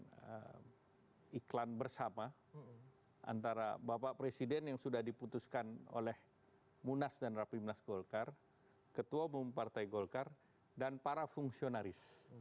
pemasangan iklan bersama antara bapak presiden yang sudah diputuskan oleh munas dan rapi munas golkar ketua bumpartai golkar dan para fungsionaris